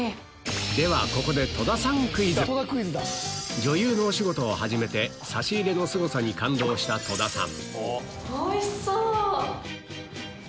ではここで女優のお仕事を始めて差し入れのすごさに感動した戸田さん